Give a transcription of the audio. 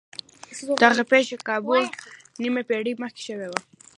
دغه پېښه کابو نيمه پېړۍ مخکې شوې وه.